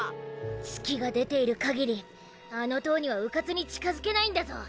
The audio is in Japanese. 月が出ている限りあの塔には迂闊に近づけないんだゾ！